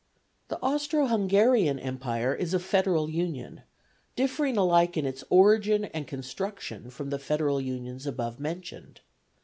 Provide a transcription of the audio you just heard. The Austro Hungarian Empire is a federal union, differing alike in its origin and construction from the federal unions above mentioned.